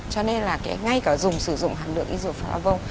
cho nên là ngay cả dùng sử dụng hạt lượng isofarvon